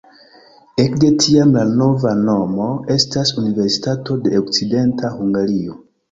Ekde tiam la nova nomo estas Universitato de Okcidenta Hungario.